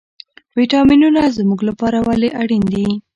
ویټامینونه زموږ لپاره ولې اړین دي